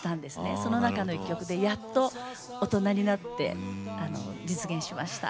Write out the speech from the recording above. その中の１曲でやっと大人になって実現しました。